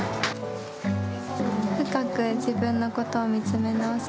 深く自分のことを見つめ直す